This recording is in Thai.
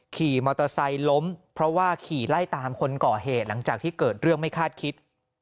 ขี่มอเตอร์ไซค์ล้มเพราะว่าขี่ไล่ตามคนก่อเหตุหลังจากที่เกิดเรื่องไม่คาดคิด